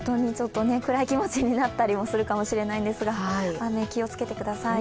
暗い気持ちになったりもするかもしれませんが、雨、気をつけてください。